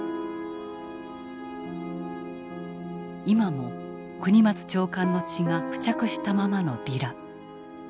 今も國松長官の血が付着したままのビラ。